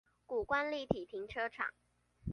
谷關立體停車場